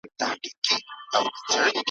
ته ښکلی یوسف یې لا په مصر کي بازار لرې `